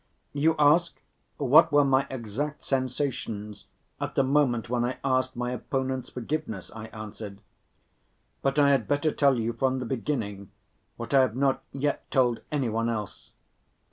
"You ask what were my exact sensations at the moment when I asked my opponent's forgiveness," I answered; "but I had better tell you from the beginning what I have not yet told any one else."